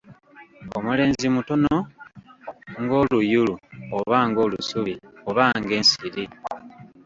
Omulenzi mutono ng'oluyulu oba ng'olusubi oba ng'ensiri